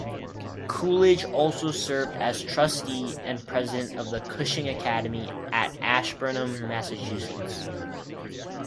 Coolidge also served as trustee and president of the Cushing Academy at Ashburnham, Massachusetts.